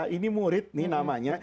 ini murid nih namanya